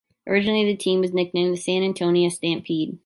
Originally, the team was nicknamed the San Antonio Stampede.